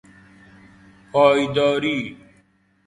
پایداری